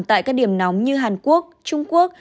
tại các điểm nóng như hàn quốc trung quốc